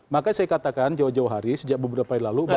makanya saya katakan sejak beberapa hari lalu bahwa